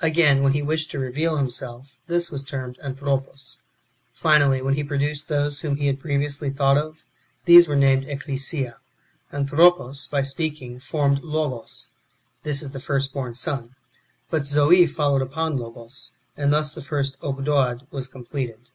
Again, when he wished to reveal himself, this was termed Anthropos. Finally, when he produced those whom he had previously thought of, these were named Ecclesia. Anthropos, by speaking, formed Logos : this is the first born son. But Zoe followed upon Logos ; and thus the first Ogdoad was completed.